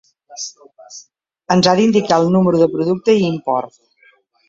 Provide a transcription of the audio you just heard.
Ens ha d'indicar el número de producte i import.